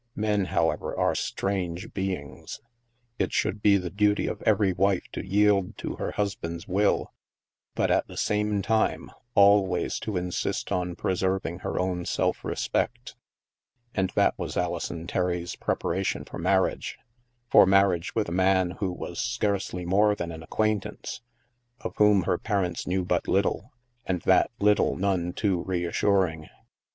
Men, however, are strange beings. It should be the duty of every wife to yield to her husband's will, but, at the same time, always to insist on preserving her own self respect*' And that was Alison Tetry's preparation for marriage; for marriage with a man who was scarcely more than an acquaintance, of whom her parents knew but little, and that little none too re assuring!